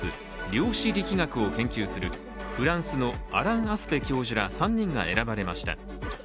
量子力学を研究するフランスのアラン・アスペ教授ら３人が選ばれました。